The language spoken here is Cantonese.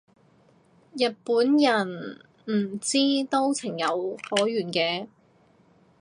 日本人唔知都情有可原嘅